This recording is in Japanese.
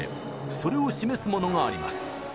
それを示すものがあります。